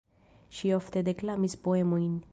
Ŝi ofte deklamis poemojn.